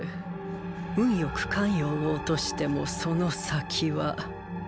運よく咸陽を落としてもその先は。